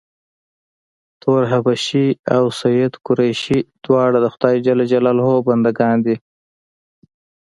تور حبشي او سید قریشي دواړه د خدای ج بنده ګان دي.